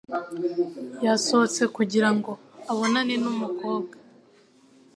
Yasohotse kugira ngo abonane n'umukobwa.